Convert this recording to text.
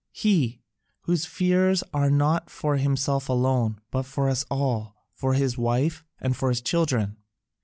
He, whose fears are not for himself alone, but for us all, for his wife, and for his children."